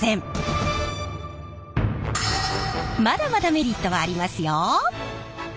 まだまだメリットはありますよ！